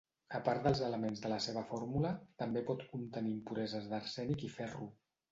A part dels elements de la seva fórmula també pot contenir impureses d'arsènic i ferro.